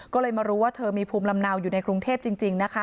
ก็เลยมารู้ว่าเธอมีภูมิลำเนาอยู่ในกรุงเทพจริงนะคะ